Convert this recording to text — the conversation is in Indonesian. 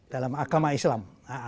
dalam agama islam